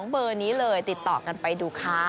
เบอร์นี้เลยติดต่อกันไปดูค่ะ